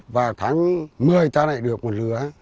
và tháng một mươi ta lại được một lứa